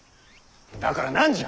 だから何じゃ！